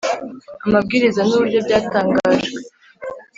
Amabwiriza n uburyo byatangajwe